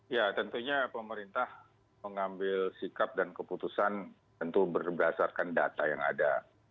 ya tentunya pemerintah mengambil sikap dan keputusan tentu berdasarkan data yang ada